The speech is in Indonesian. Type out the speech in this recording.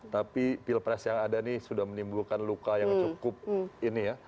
tapi pilpres yang ada ini sudah menimbulkan luka yang cukup ini ya